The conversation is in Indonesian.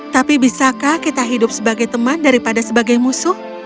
tapi bisakah kita hidup sebagai teman daripada sebagai musuh